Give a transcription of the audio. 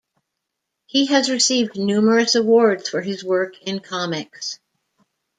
He has received numerous awards for his work in comics.